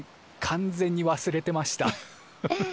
完全に忘れてましたフフフ。